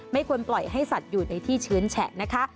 ไม่ควรปล่อยให้สัตว์อยู่ในที่ชื้นแฉะนะคะ